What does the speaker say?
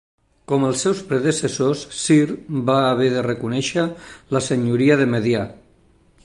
Com els seus predecessors, Cir va haver de reconèixer la senyoria de Medià.